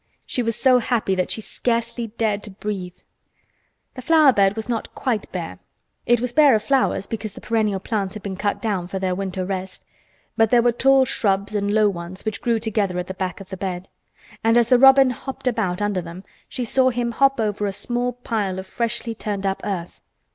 She was so happy that she scarcely dared to breathe. The flower bed was not quite bare. It was bare of flowers because the perennial plants had been cut down for their winter rest, but there were tall shrubs and low ones which grew together at the back of the bed, and as the robin hopped about under them she saw him hop over a small pile of freshly turned up earth.